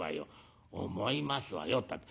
「思いますわよったって